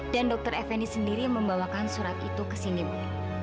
dan dokter effendi sendiri yang membawakan surat itu ke sini bu